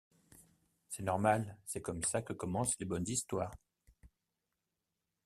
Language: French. C’est normal: c’est comme ça que commencent les bonnes histoires.